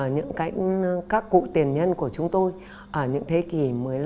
những cái các cụ tiền nhân của chúng tôi ở những thế kỷ một mươi năm một mươi sáu